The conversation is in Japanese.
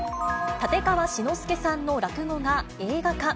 立川志の輔さんの落語が映画化。